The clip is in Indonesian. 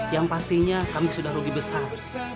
yang pastinya kami sudah rugi besar